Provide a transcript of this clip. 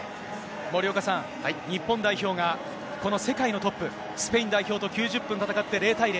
森岡さん、日本代表が、この世界のトップ、スペイン代表と９０分戦って、０対０。